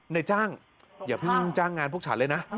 ในจ้างอย่าเพิ่งจ้างงานพวกฉันเลยนะ